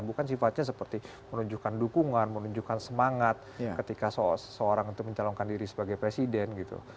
bukan sifatnya seperti menunjukkan dukungan menunjukkan semangat ketika seseorang itu mencalonkan diri sebagai presiden gitu